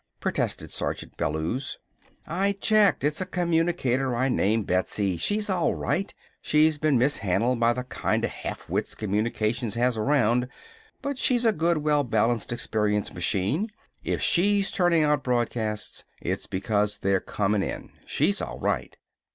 protested Sergeant Bellews. "I checked! It's a communicator I named Betsy. She's all right! She's been mishandled by the kinda halfwits Communications has around, but she's a good, well balanced, experienced machine. If she's turning out broadcasts, it's because they're comin' in! She's all right!"